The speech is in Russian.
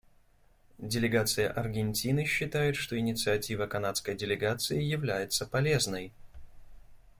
Делегация Аргентины считает, что инициатива канадской делегации является полезной.